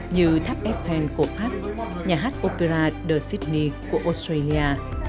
như tháp eiffel của pháp nhà hát opera de sydney của australia